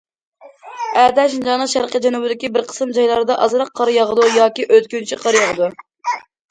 ئەتە شىنجاڭنىڭ شەرقىي جەنۇبىدىكى بىر قىسىم جايلاردا ئازراق قار ياغىدۇ ياكى ئۆتكۈنچى قار ياغىدۇ.